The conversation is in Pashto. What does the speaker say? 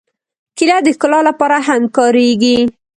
کېله د ښکلا لپاره هم کارېږي.